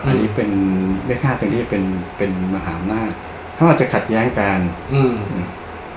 อันนี้เป็นไม่คาดเป็นที่เป็นเป็นมหาวนาคเขาอาจจะขัดแย้งกันอืม